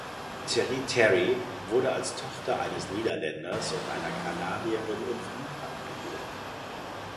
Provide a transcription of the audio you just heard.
Teri Terry wurde als Tochter eines Niederländers und einer Kanadierin in Frankreich geboren.